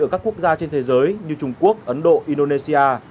ở các quốc gia trên thế giới như trung quốc ấn độ indonesia